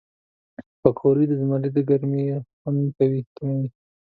پکورې د زمري د ګرمۍ خوند کموي